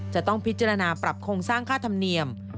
จะต้องพิจารณาปรับโครงสร้างค่าธรรมเนียม